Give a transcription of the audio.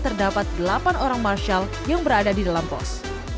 terdapat delapan orang marshal yang berada di dalam pos